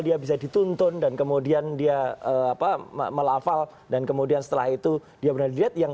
dia bisa dituntun dan kemudian dia apa melafal dan kemudian setelah itu dia benar benar dilihat yang